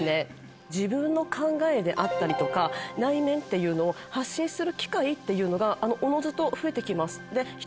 自分の考えであったりとか内面っていうのを発信する機会っていうのがおのずと増えて来ます。